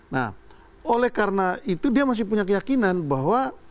nah oleh karena itu dia masih punya keyakinan bahwa